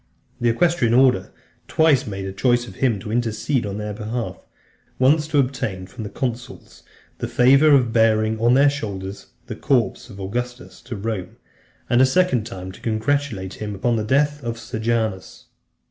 The equestrian (300) order twice made choice of him to intercede on their behalf; once to obtain from the consuls the favour of bearing on their shoulders the corpse of Augustus to Rome, and a second time to congratulate him upon the death of Sejanus.